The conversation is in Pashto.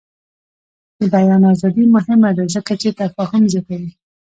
د بیان ازادي مهمه ده ځکه چې تفاهم زیاتوي.